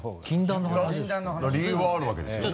理由があるわけですよね。